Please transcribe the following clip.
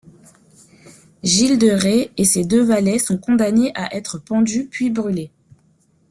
Gilles de Rais et ses deux valets sont condamnés à être pendus, puis brûlés.